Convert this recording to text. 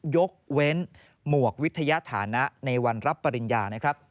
ยกเว้นหมวกวิทยาฐานะในวันรับปริญญานะครับ